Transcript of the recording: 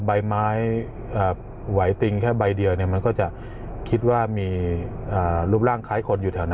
ใบไม้ไหวติงแค่ใบเดียวมันก็จะคิดว่ามีรูปร่างคล้ายคนอยู่แถวนั้น